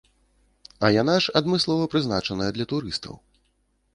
А яна ж адмыслова прызначаная для турыстаў.